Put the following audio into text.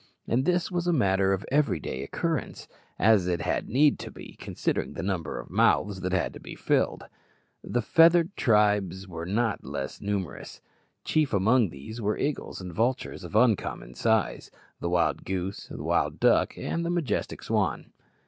And this was a matter of everyday occurrence as it had need to be, considering the number of mouths that had to be filled. The feathered tribes were not less numerous. Chief among these were eagles and vultures of uncommon size, the wild goose, wild duck, and the majestic swan.